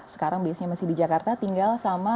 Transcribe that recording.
sekarang biasanya masih di jakarta tinggal sama